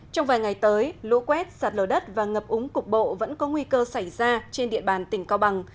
trong vài ngày tới lũ quét sạt lở đất và ngập úng cục bộ vẫn có nguy cơ xảy ra trên địa bàn tỉnh cao bằng